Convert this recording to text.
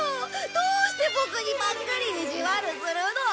どうしてボクにばっかり意地悪するの！？